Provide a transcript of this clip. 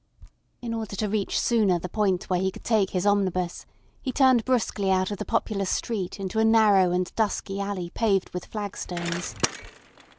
In order to reach sooner the point where he could take his omnibus, he turned brusquely out of the populous street into a narrow and dusky alley paved with flagstones.